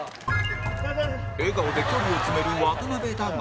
笑顔で距離を詰める渡辺だが